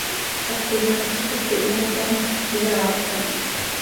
Hap inaail zo toc cötiih ma, itamjc, cöyaapca.